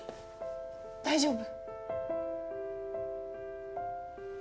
大丈夫？